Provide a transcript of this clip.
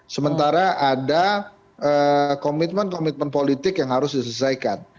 sementara ada komitmen komitmen politik yang harus diselesaikan